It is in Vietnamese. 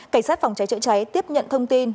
cảnh sát phòng cháy chữa cháy tiếp nhận thông tin